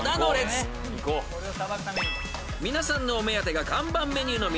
［皆さんのお目当てが看板メニューの］